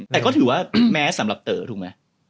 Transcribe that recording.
แต่ก็ถือว่าแม้สำหรับเต๋อถูกไหม